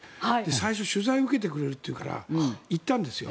最初、取材を受けてくれるっていうから行ったんですよ。